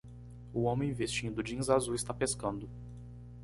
O homem vestindo jeans azul está pescando